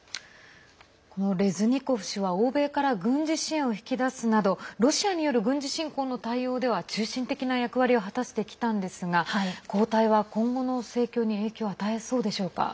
このレズニコフ氏は欧米から軍事支援を引き出すなどロシアによる軍事侵攻の対応では中心的な役割を果たしてきたんですが交代は今後の戦況に影響を与えそうでしょうか。